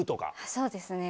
そうですね。